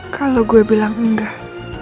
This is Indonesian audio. kalau gue bilang enggak